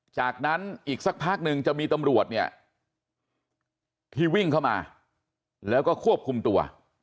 จากนั้นอีกสักพักนึงจะมีตำรวจเนี่ยที่วิ่งเข้ามาแล้วก็ควบคุมตัว